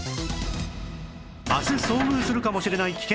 明日遭遇するかもしれない危険